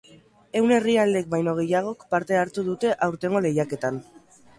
Ehun herrialdek baino gehiagok parte hartu dute aurtengo lehiaketan.